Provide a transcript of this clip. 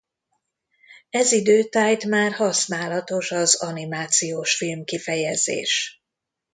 Ez idő tájt már használatos az animációs film kifejezés.